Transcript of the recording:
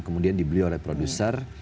kemudian dibeli oleh produser